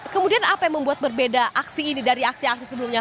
kemudian apa yang membuat berbeda aksi ini dari aksi aksi sebelumnya